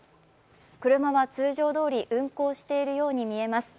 車は通常どおり運行しているように見えます。